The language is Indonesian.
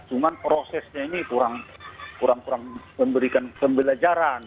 cuman prosesnya ini kurang memberikan pembelajaran